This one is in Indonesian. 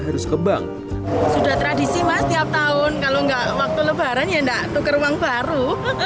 harus ke bank sudah tradisi mas tiap tahun kalau enggak waktu lebaran ya enggak tukar uang baru